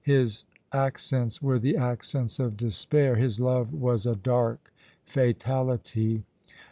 His accents were the accents of despair, his love was a dark fatality.